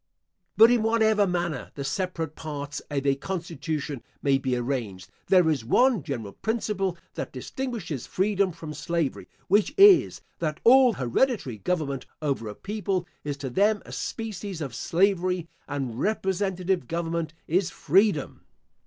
* But in whatever manner the separate parts of a constitution may be arranged, there is one general principle that distinguishes freedom from slavery, which is, that all hereditary government over a people is to them a species of slavery, and representative government is freedom.